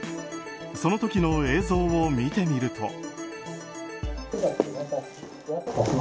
その時の映像を見てみると。